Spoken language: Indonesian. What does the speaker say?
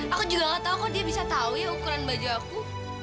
aku juga nggak tahu kok dia bisa tahu ukuran baju aku